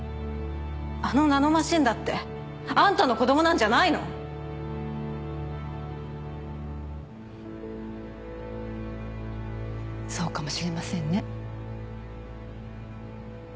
あのナノマシンだってあんたの子供なんじゃないの⁉そうかもしれませんね。